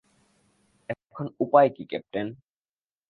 এখন উপায় কী, ক্যাপ্টেন?